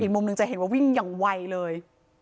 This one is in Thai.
มุมหนึ่งจะเห็นว่าวิ่งอย่างไวเลย